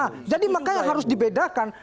nah jadi makanya harus dibedakan